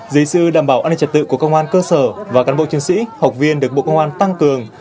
giới sư đảm bảo an ninh trở tự của công an cơ sở và cán bộ chiến sĩ học viên được bộ công an tăng cường